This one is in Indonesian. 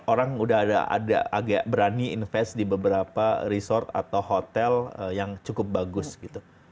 orang udah ada agak berani invest di beberapa resort atau hotel yang cukup bagus gitu